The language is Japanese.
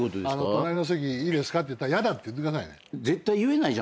隣の席いいですかって言ったら「やだ」って言ってくださいね。